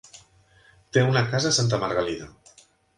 Té una casa a Santa Margalida.